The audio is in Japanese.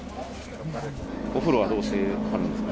お風呂はどうしてるんですか？